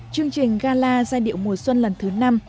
chương trình gala giai điệu mùa xuân lần thứ năm